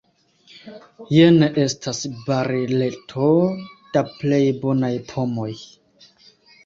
Jen estas bareleto da plej bonaj pomoj.